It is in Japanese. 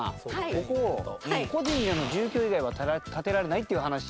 ここ個人での住居以外は建てられないっていう話。